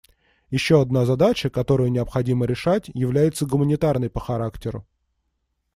Еще одна задача, которую необходимо решать, является гуманитарной по характеру.